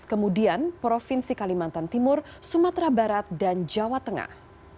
kemudian provinsi kalimantan timur sumatera barat dan jawa tengah